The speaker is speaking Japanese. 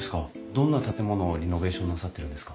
どんな建物をリノベーションなさってるんですか？